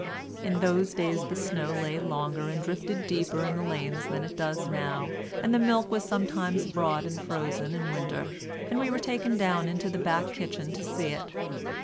In those days the snow lay longer and drifted deeper in the lanes than it does now, and the milk was sometimes brought in frozen in winter, and we were taken down into the back kitchen to see it.